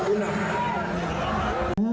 kita tidak boleh kalah